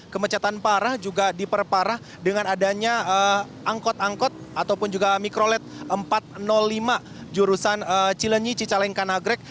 kemacetan parah juga diperparah dengan adanya angkot angkot ataupun juga mikrolet empat ratus lima jurusan cilenyi cicalengka nagrek